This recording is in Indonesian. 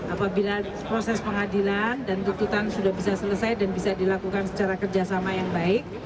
apabila proses pengadilan dan tuntutan sudah bisa selesai dan bisa dilakukan secara kerjasama yang baik